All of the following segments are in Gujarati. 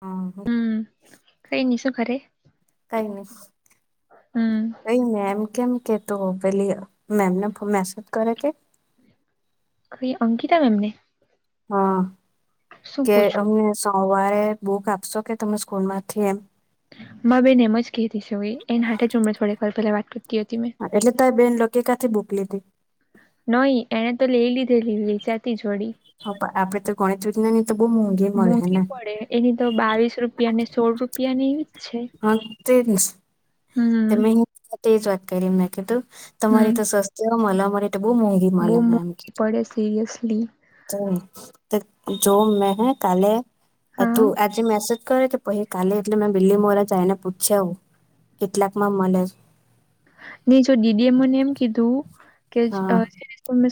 હા હા [unintelligible] હમ કઈ ન શું ખરે હમ. એ મેમ કેમ કે તો પેલી મેમને મેસેજ કરે કે. કઈ અંકિતા મેમને [inaudible] હમ શું કે પૂછવું અમને સોમવારે બુક આપશો કે તમે સ્કૂલ માંથી એમ. બેન એમ જ કતી સુ એને હાટે જ હમને થોડીક વાર પેલા વાત કરતી હતી મેં. એટલે તો એ બેન લોકો કાંથી ભૂક લીધી [unintelligible] નહી એને તો લઈ લીધેલી વેચાતી જોડી. હ આપડે તો ગણિત વિજ્ઞ ની તો બહુ મોંઘી મળ્યું હે ને. એની તો બાવીસ રૂપિયા ને સોળ રૂપિયાની જ છે. હા, તે હમ મેજ વાત કરી એમને કીધું તમારી હમ તો સસ્ જો મલે અમારે તો બઉુ મોંઘી મલે. અ એમ કે બડે સરયસલી. ત જો મે કાલે હા તું આજે મેસેજ કરે કે પહી કાલે એટલે મેં બીલીમોરા જાયને પૂછ્યાવુ કેટલાકમાં મલે જ. નહી જો દીદીએ મને એમ કીધું કે હા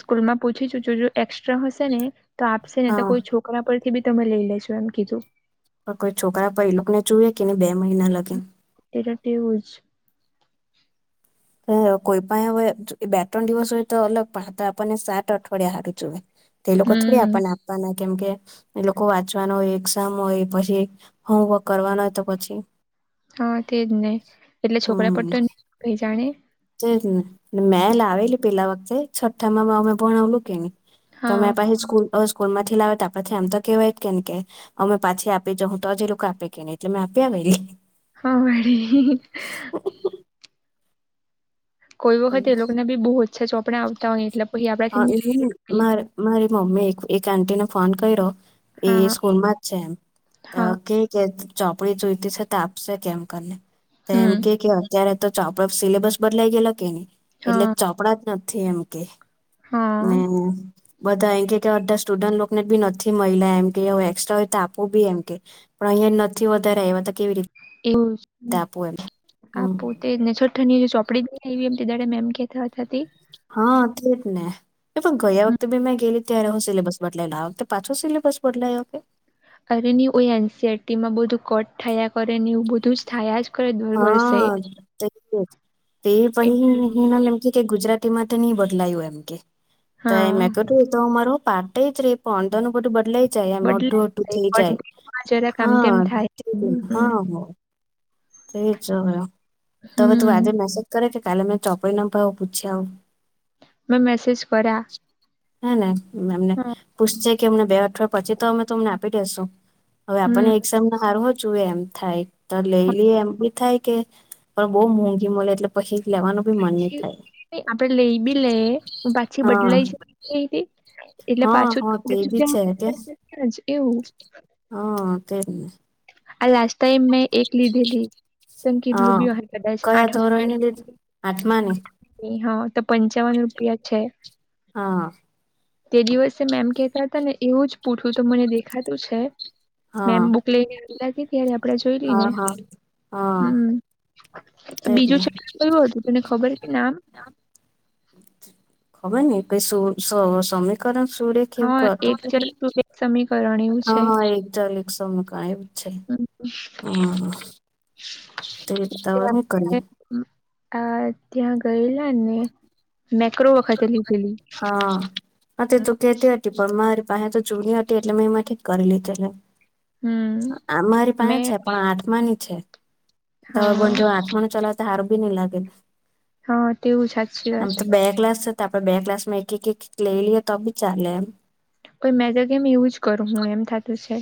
સ્કૂલમાં પૂછી તો જોજો. એસ્ટ્રા હશે ને તો આપશે ને તો હા કોઈ છોકરા પરથી બી તમે લઈ લેેશો, એમ કીધું. પણ કોઈ છોકરા પર એ લોકો ને જોઇએ કેને બે મહિના લગે. એટ ટેવું જ હ કોઈ પણ હવે બે ત્રણ દિવસ હોય તો અલગ પણ હતા તો આપણને સાત અઠવાડિયા હારું જોએ તે લોકો થોડી હમ આપણને આ પાના કેમકે એ લોકો વાંચવાનો હોય, એક્ઝામ હોય પછી હોમવર્ક કરવાનો તો પછી હા તેજ ને એટલે છોકરા પડતો કઈ જાણે તેજ ને મેં લાવેલી પેલા વખતે છઠ્ઠામાં અમે ભણાવલું કેની તો હા મે પહી સ્કૂલ અ સ્કૂલમાંથી લાવે તો પછી આપણાથી એમતો કેવાય કેની કે હમે પાછી આપી જહુ તો જ એલોકો આપે કે ની એટલે મે આપ્યા વેલી હ વળી [unintelligible] કોઈ વખતે એ લોકોને બી બો ઓચ્છા ચોપડા આવતા હોય એટલે પછી હા [unintelligible] આપડાથી મારે મારી મમ્મી એ એક આન્ટીને ફોન કર્યો એ હા સ્કૂલમાં જ છે અ હા કે કે ચોપડી જોઈતી છે, તો આપશે કેમ કરીને તો એમ હમ કે કે અત્યારે તો ચાપડા સિલેબસ બદલાઈ ગેલ કેની એટલે હા ચાપડા જ નથી એમ કેય હા ને બધા એમ કે કે અડધા સ્ટુડન્ટ લોકોને બી નથી મયલા એમ કેઈ હવે એક્સ્ટ્રા હોય તો આપું બી એમ કે પણ અહિયાં નથી વધારે આવ્યા તો કેવી રી એવું જ આ હમ પો તે જ ને છઠ્ઠની ચોપડી ની આયવી એમ તેદાળે મેમ કેતા હતા તે હા તેજ ને એ પણ ગયા હમ, વખતે બી મેં ગેલી ત્યારે હું સિલેબસ બદલાય આ વખતે પાછો સિલેબસ બદલાય કે? અરે એનસીઆરટીમાં બધું કોટ થયા કરે ને એવું બધું જ થયા કરે દર વર્ષે હા તે પહિ એટલે હીનલ એમ કે કે ગુજરાતી માટે ની બદલાયું એમ કે તે હા મેં કરુ તો મારો પાટૅ એજ પણ અંદરનું બઘું બદલાઈ જાય એમ અડધું અડધું થઈ જાય બદલાય જરા આમ તેમ હા થાય હમ હા હ તે જ હ્યો તો હવે તું આજે હમ. મેસેજ કરે કે કાલે મે ચોપડી ન ભાવ પૂછી આવ મે મેસેજ પરા હે ને મેમને પુછજે કે અમને બે અઠવાડિયા પછી તો અમે તમને આપી દેસું હવે આપણને હમ એ જેમને હારવો જોએ એમ થાય, તો લઈ લે એમ બી થાય કે પણ બો મોંઘી મલે એટલે પહી લેવાનું બી મન નહી થાય આપડે લેય બી લેયે પાછી હા બદલાય [unintelligible] એટલે હા પાછું હા તે [unintelligible] એવું હ તેજને આ લાસ્ટ ટાઈમ મેં એક લીધેલી તને કીધલું હા બી અહે કદાચ કયા આઠ ધોરણને લીધું આઠમાને હા તો પંચાવન રૂપિયા છે. હા તે દિવસે મેમ કેતા હતા ને એવું જ પૂઠું તો મને દેખાતું છે, મેમ હા બુ પ્લે લાગી ત્યારે આપડે જોઈલીને હા હા હા હમ તે જ બીજું [inaudible] ને. કયું હતું તને ખબર કે નામ? ખબર નહીં ક કઈ સુ સમીકરણ સુડખવું હા કરત [inaudible] સમીકરણ એવું હા છે હા એક ચલેક સમ કા એમ હમ તેવીવે ત્યાં શું કરીએ? મેં આ ત્યાં ગયેલા ને મેક્રો વખતે લીધેલી હા. અ તે તું કેતી હતી પણ મારી પાહે તો જૂની હતી એટલે મેં એમાંથી જ કરી લીધેલી હમ અમારી પાસે મેં છે, પણ આઠમાની છે. તવ બ હા આથમાનો ચલાવતા હારુ બી નહી લાગે. હા તેવું સાચી આમ વાત તો બે ક્લાસ આપડે બે ક્લાસ માં એક એક એક લઈ લઈએ તો બી ચાલે એમ કોઈ મે તો કેમ યુજ કરું હું એમ થતું છે.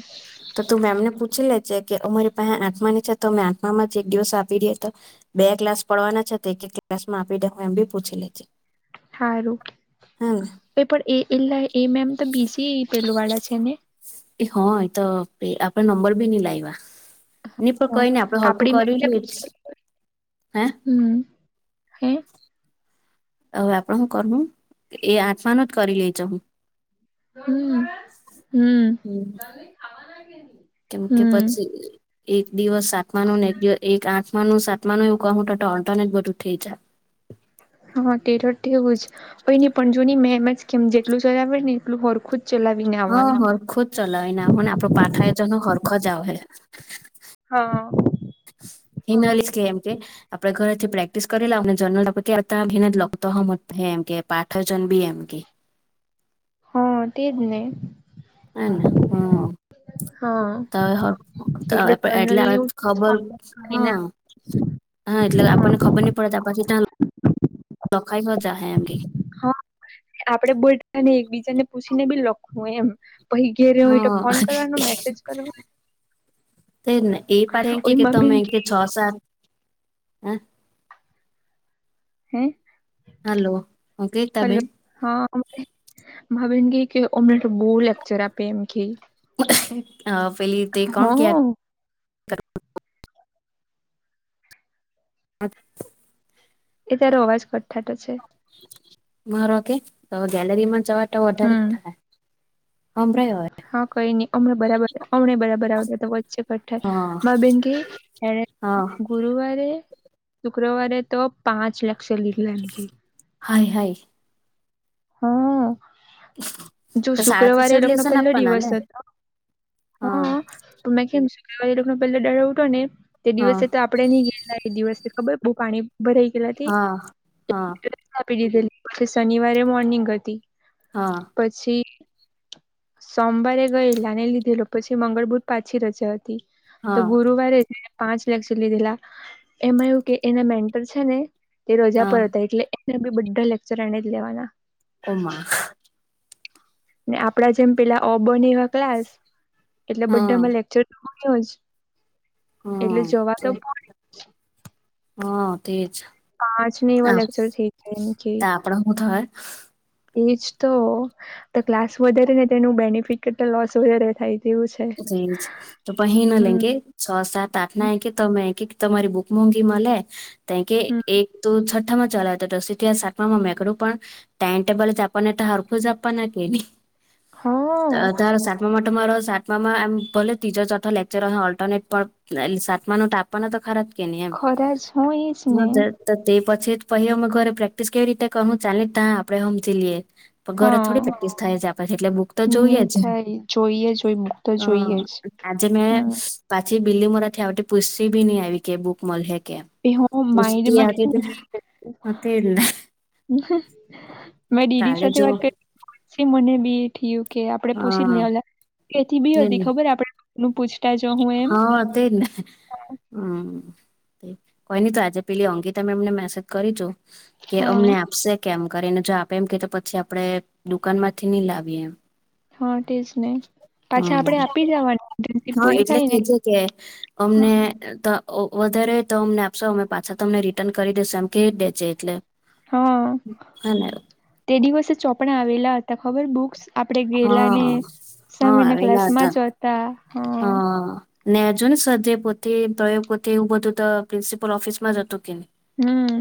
હ તો તું મેમ ને પૂછી લેજે કે અમારી પાસે આઢમાની છે તો અમે આઢમામાં જ એક દિવસ આપી રહ્યા તો. બે ક્લાસ પડવાના છે એક એક ક્લાસ માં આપી દે હું એમ બી પૂછી લેજે સારું હા ને એ પણ એ એલા એ મે એમ તો બી સી એ [unintelligible] પેલું વાળા છે ને એ હા એ તો આપણે નંબર બી નઇ લાઈવા. ની પણ કઈ નઈ આપડે હલકું આપડી કરી મેમને લેજ પૂછ હે હમ હે હવે આપણ હું કરમું એ આઠમાનો જ કરી લઈ ચ હું. હમ હમ કેમ કે પછી. હમ એક દિવસ સાતમા નુ ને એક દિવસ એક આઠમા નું સાતમા નું એવું કું તો ઓલ્ટરનેટ બધું થઈ જાય. હા તેર વું જ હોય નહી પણ જો નહી મેં એમ જ કેમ જેટલું સજાવને એટલું હોરખું જ ચલાવીને હા આવવાનું હરખો જ ચલાવીને હો ને આપડો પાઠા એજનો હરખો જ આવશે. હા. હિનાલી સ્ કે એમ કે આપડે ઘરેથી પ્રેક્ટિસ કરી લાવ ને જર્નલ આપડે કે ત ભીને જ લ તો હ એમ કે પાઠજન બી એમ કે હા તે જ ને. હને હમ હા તય એટલે જર્નલ ને આપ એવું ખબર કમ્પ્લીટ કરીને હા હા એટલે આપણને હા ખબર નહીં પડે ત પછી ત્યા લખાઈ શ જ હ એમ કે હા આપડે બોલતાને એકબીજા ને પૂછી ને બી લખું એમ પછી ઘેરે હું એ ફોન કરવાનું મેસેજ કરવાનું. તે જ ન એ પાહે એમ કે ઓય કે માર તમે બેન એમ કે છ સાત હ હે હલો હું કેતા બેન હારે ભાવિને ગ કે અમને બહુ લેક્ચર આપે એમ કે. [inaudible] અ પેલી તે કોણ કય હા અત એ તો અવાજ કટ ઠાટો છે. મારો કે હવ ગેલેરી માં જવા તો વધારે હમ થાય હભરા હોય. હા કઈ નહી હમણાં બરાર હમ બરાબર આવડ તો વચ્ચે કઠ ઠાય હા માર બેન કે હ હા ગુરુવારે, શુક્રવારે તો પાંચ લકક્ષર લીધેલા એમકે હાય હાય હા જો તો શુક્રવારે સાડત્રીસો જ એલોકનો લેશે ને પેલો આપવાના દિવસ ને હતો. હ હા પન મેં કેમ શુક્રવારે એલોક ના પેલો દારો ઉતો ને તે હા દિવસે તો આપ આપડે નહી ગયેલા એ દિવસે ખબર બહુ પાણી ભરાઈ ગેલાતે. હા હા આપી દીધેલી પછી શનિવારે મોર્નિંગ હતી. હા પછી સોમવારે ગયેલાને લીધેલો પછી મંગળ બૂધ પાછી રજા હતી. તો હા ગુરુવારે પાંચ લેક્ચર લીધેલા એમાં એવુ કે એના મેન્ટર છે ને એ રજા હા પર હતા એટલે બધા લેક્ચર એને જ લેવાના. ઓમાં ને આપડા જેમ પેલા અ બ ન એવા ક્લાસ એટલે હા બધામાં લેક્ચર [unintelligible] એટલે હા જવા તો પણ હા તેજ પાંચ ને એવા લેક્ચર [unintelligible] આપણા હું થાહ એજ તો તો ક્લાસ વધારે ને તેનું બેનિફિટ કતા લોસ વધારે થાય તેવું છે. તો પહી ના હમ. લેગે છ સાત આઠ ના કે તમે કે તમારી બુક મોંગી મલે તો કે હમ એક તો છ થામાં ચલાવતો [unintelligible] ત્યાં સાતમામાં મેકડું પણ ટાઈમટેબલ જ આપને તો હરખું જ આપપવાના કે ની હા તાર સાતમામા તો મારો સાત માંમાં એમ ભલે ત્રીજો ચોથો લેક્ચર અહે ઓલ્ટરનેટ પણ સાતમા નું તો આપવાના તો ખરાજ ને ખરા જ હોય જ ને તો તે પછી પહિ અમે ઘરે પ્રેક્ટિસ કેવી રીતે કરું ચાલે ત્યાં આપડે હમજી લઈએ પણ ઘરે થોડી હા. પ્રેક્ટિસ થાય છે આપડથી એટલે બુક તો જોઈએ નહી જ. થાય જોઈએ જોઈમ હ આજે મે પાછી બિલ્લીમોરા થી આવતી પૂસી બી નહીં આવી કે બુક મલહે કેમ એ હો માઈન્ડ માથી જ નીકળી ગયું. તે જ ને મે ડીડી કાલે સાથે જો વાત કર પછી મને બી ઠીયું કે આપડે પૂછી જ હા લેવા લે કેથી બી તે હતી જ ખબર આપડે પૂછ હા તેજને હમ કઈ ન તો આજે પેલી અંકિતા મેમને મેસેજ કરી જો કે હા અમને આપશે કેમ કરીને જો આપે એમ કે તો પછી આપડે દુકાન માંથી નહી લાવીએ એમ. હા તેજ ને પાછા હા આપડે આપી જવાની ઇન્ટર્નશીપ હા પૂરી એટલે થાય કે ને છે કે અમને. હા. તો વધારે તો અમને આપશો અમે પાછા તો અમને રિટર્ન કરી દેશું એમ કે દેજે એટલે. હા હને તે દિવસે ચોપડા આવેલા હતા ખબર બુક્સ. આપણેે ગેલા ને હા હા સામેના ક્લાસ આવેલા માં હતા જતા હ હા ને જોને સ્વાધ્યાય પોથી પ્રયોગ પોથી એવું બધું તો પ્રિન્સિપલ ઓફિસમાં જ હતું કેની હમ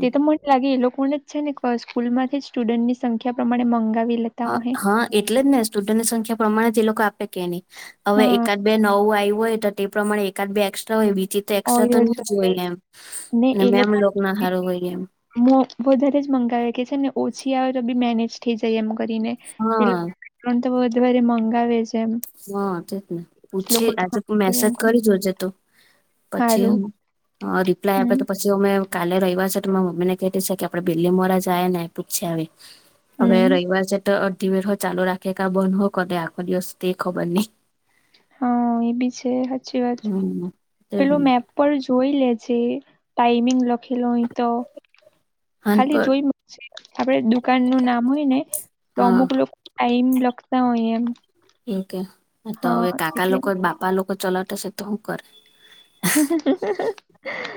તે તો મ લાગે એ લોકોને જ છે ને સ્કૂલ માંથી જ સ્ટુડન્ટ ની સંખ્યા પ્રમાણે મંગાવી લેતી હ હા એટલે જ ને સ્ટુડન્ટની સંખ્યા પ્રમાણે જ એ લોકો આપે કે ની. હવે હા એકાદ બે નવું આવ્યું હોય તો તે પ્રમાણે એકાદ બે એકસ્ટ્રા હોય બીજી તે એક્સ્ટ્રા તો ઓયલ ની જ હોય એમ ને એ મેમ લોકો લોગના હારું હોય એમ. વધારે જ મંગાવે કે છે ને ઓછી આવે તો બી મેનેજ થઈ જાય એમ કરીને. હા [unintelligible] મંગાવે છે એમ હા તેજ ને લોકો પૂછી આજે મેસેજ કરી જોજે તો પછી સારું રિપ્લાય આપે તો હમ પછી જો અમે કાલે ર્યા છ છે તો મમ્મીને કતીી છે કે આપે બિલ્લી મોરજાય ને પૂછી આવે હવે હમ રવવાર છે તો અધિવર હ ચાલુ રાખે કા બંધ હોો ક આખો દિવ. દખો બને. હા એ બી છે સાચી વાત હમ તેજ પેલો ને મેપ. ઉપર જોઈ લેજે ટાઈમિંગ લખેલો અય તો હાન ખાલી પર જોઈ. આપડે દુકાન નું નામ હોય ને તો હા અમુક લોકો ટાઈમ લખતા હોય એમ. ઓકે તો હવે હા કાકા એટલે લોકો બાપા લોકો ચલાતાશે તો શું કરે. હ [inaudible]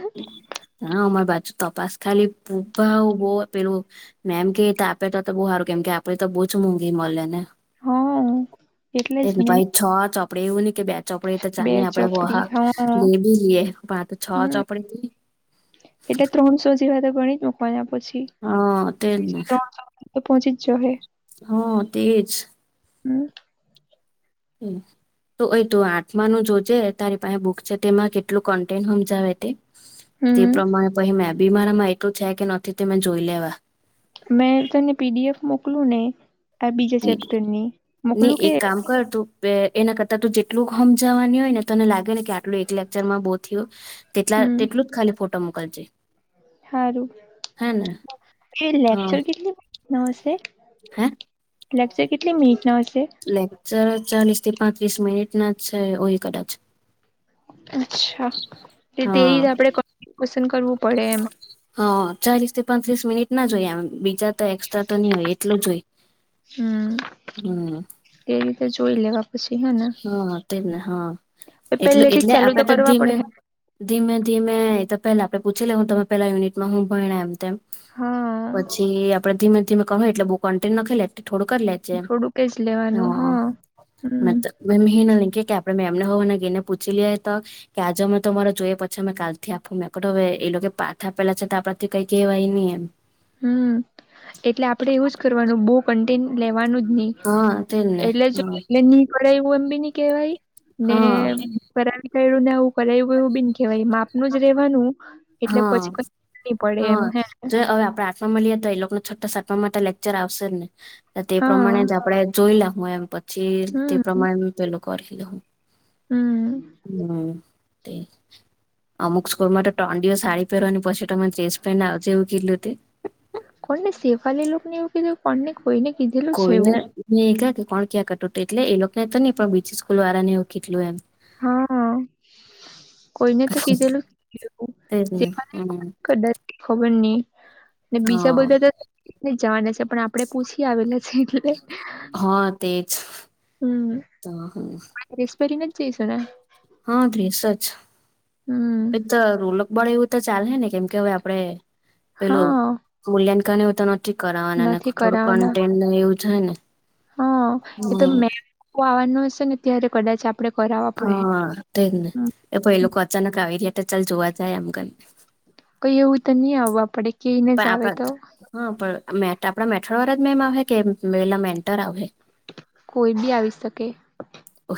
હામા બાજુ તપાસ ખાલી ભા બહ પેલું. મેમ કે આપે તો બહુ સારું કેમ કે આપડે તો બહુ જ મોંઘી મળે ને. હા [inaudible] એટલે જ એને ને ભછ છ ચોપડે એવું નને કે બે. ચોપડી તો ચા બે આપડે ચોપડી વહા હા લે બી લઈએ પણ આ તો છ હમ ચોપડી. એટલે ત્રણસો જેવા તો ગણી જ મકવાના હા તેજ ને પછી્રણ. તો પહોંચી જજ હ. હા તેજ. હમ. હમ [inaudible] તોય તું આઠમાનું જોજે તારી પાસે બુક છે તેમાં કેટલું કન્ટેન્ટ સમજાવે તે. તે હમ પ્રમાણે પછ મે બીમારામાં એટું થ કે નથી તે મેં જોઈ લેવા. મેં તને પીડીએફ મોકલું ને આ બીજા ચેપ્ટર ની મોકલું કે. અમુકટું [inaudible] એના કરતાં તો જેટલું સમજાવાની હોય ને તને લાગે ને કે આટલું એક લેક્ચરમાં બહુ થયું. તેટલા હમ તેટલું જ ખાલી ફોટો મોકલજે. સારું હે ને એ હા લેક્ચર કેટલી. નશે હે લાગ છે કેટલી મિનિટ ન હશે. લેક્ચર ચાલીસ થી પાંત્રીસ મિનિટ ના છે ઓય કદાચ. અચ્છા તે હા રી આપણેે પસંદ કરવું પડે એમ. હ ચાલીસથી પાંત્રીસ મિનિટ ના જોઈ બીજા. એક્સ્ટ્રા તો નહ હોય એટલું જ હોય હમ. એ રીતે જોોઈ લ. હા તેમને હા એટલું પહેલેથી જ એટલે ચાલુ આપડે તો કરવા ધીમે. પડે ધીમે ધીમે તો પેલા આપડે પૂછી લે હું તમે પેલા યુનિટમાં હું ભ એમ તેમમ. હા પછી આપડે ધીમે ધીમે ક હોય એટલે બઉુ કન્ટિન નાખી લેતી થોડું કરી લે. થોડું કે જ લેવાનું હા. મ મેમ હ ના લે કે આપણે મેમને હોવવા અને ગ એને પૂછી લ તો. કે આજે અમે તમારો જોઈએ પછી અમે કાલથી આપું મેં કો હવે એ લોકો પાથ આપેલા છે તો આપણાથી કઈ કહેવાય નહી એમ હમ એટલે આપડે યુજ કરવાનું બહુ કન્ટેન લેવાનું જ નહીિ. હા તેજને એટલે જો એટલે નહી ગાય એવું એમ બી ન કેવાય ને. હા કરાવી કું ને આવું કરાવું એવું બીન કેવાય માપનું જ રેવાનું. એટલે હા પછી કઈ નહી પડે એમ હા હે જો હવે આપડા [inaudible] મળી તો એ લોકોને છોટા સાટ માટે લેક્ચર આવશે ને. તે હા પ્રમાણે જ આપડે જોઈ લ હું એમ પછી તે હમ પ્રમાણે પેલું કરી લઉ. હમ [inaudible] હમ તે અમુક સ્કૂલમાં તો ટોંડીઓ સાડી પહેરવાની પછી. ચેસેન્ જેું ક લું [inaudible] કોને શેફાલી ને એવું કીધું કોણને કોઈને કીધેલું છે એવું. મે કે કોણ ક્યાં કેતુત એટલે એ લોકો ને તો નહી પણ બીજી સ્કૂલ વાળા ને એવું કીધું એમ. હા. કોઈને તો કીધેલુ. તેજ ને હમ ખબર નહી બીજા હા બધા તો જાણે છે પણ આપડે. પૂછી આવેલા છે એટલે. હા તેજ હમ તો. ડ્રેસ પેરીને જઈસુ ને. હા ડ્રેસજ. હમ. એ તો રોલકબળ એવું તો ચાલેશે ને કેમકે હવે આપડે પેલું. હા [unintelligible] એવું તો નથી કરવાના ને નથી થોડું કરાવવાના કન્ટેન ને એવું તો છે ને. હા એ તો હમ મે કુ આવવાનું હશે ને ત્યારે કદાચ અપ આપડે કરાવવા પડે. હા તેજ ને એ ભાઈ લોકો અચાનક આવી ગયા તો ચાલ જોવા જાય એમ કરી ને. કઈ એવું તો નહી આવવ પડે. કઈને પણ જ આવે તો આપણા હા પણ આપણા મેઠડ વાળ જ મેમ આવે કે પેલા મેન્ટર આવે. કોઈ બી આવી શકે. ઓ